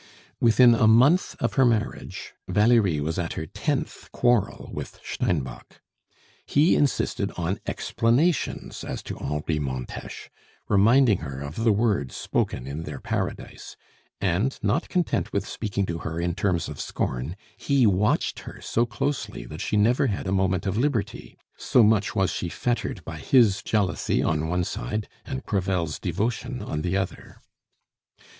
Within a month of her marriage, Valerie was at her tenth quarrel with Steinbock; he insisted on explanations as to Henri Montes, reminding her of the words spoken in their paradise; and, not content with speaking to her in terms of scorn, he watched her so closely that she never had a moment of liberty, so much was she fettered by his jealousy on one side and Crevel's devotion on the other.